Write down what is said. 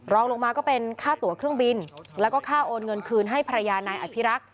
รองลงมาก็เป็นค่าตัวเครื่องบินแล้วก็ค่าโอนเงินคืนให้ภรรยานายอภิรักษ์